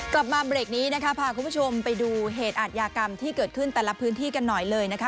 กลับมาเบรกนี้นะคะพาคุณผู้ชมไปดูเหตุอาทยากรรมที่เกิดขึ้นแต่ละพื้นที่กันหน่อยเลยนะคะ